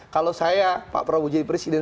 kalau saya pak prabowo jadi presiden